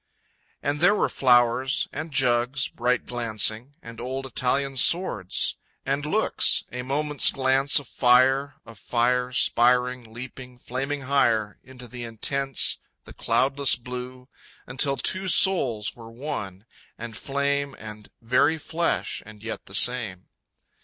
And there were flowers, and jugs, bright glancing, And old Italian swords and looks, A moment's glance of fire, of fire, Spiring, leaping, flaming higher, Into the intense, the cloudless blue, Until two souls were one, and flame, And very flesh, and yet the same!